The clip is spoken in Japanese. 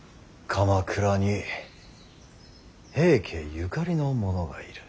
鎌倉に平家ゆかりの者がいる。